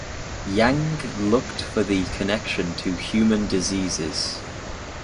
Yang looked for the connection to human diseases.